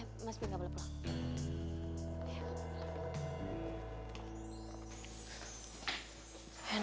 eh mas b gak boleh pulang